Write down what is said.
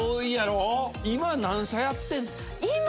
今何社やってんの？